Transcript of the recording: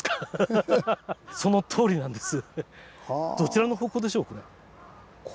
そのとおりなんです。